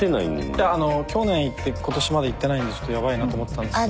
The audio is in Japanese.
いや去年行って今年まだ行ってないんでちょっとヤバいなって思ってたんですよ。